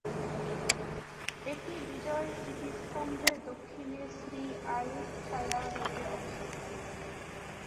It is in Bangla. এটি বিজয় স্মৃতিস্তম্ভের দক্ষিণে শ্রী আয়ুতথায়া রোডে অবস্থিত।